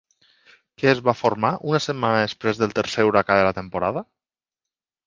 Què es va formar una setmana després del tercer huracà de la temporada?